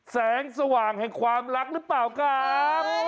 แสงสว่างแห่งความรักหรือเปล่าครับ